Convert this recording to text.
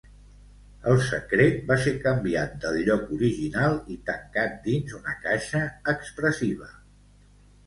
El secret va ser canviat del lloc original i tancat dins una caixa expressiva.